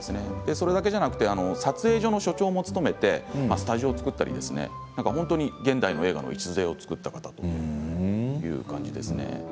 それだけでなく撮影所の所長も務めてスタジオを作って現代の映画の礎を作った方という感じですね。